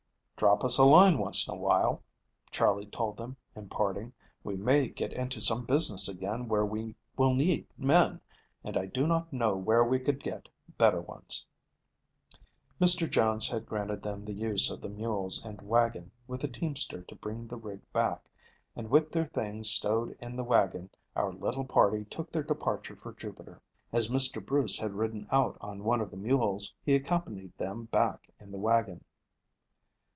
"Drop us a line once in a while," Charley told them, in parting. "We may get into some business again where we will need men, and I do not know where we could get better ones." Mr. Jones had granted them the use of the mules and wagon with the teamster to bring the rig back, and with their things stowed in the wagon our little party took their departure for Jupiter. As Mr. Bruce had ridden out on one of the mules he accompanied them back in the wagon.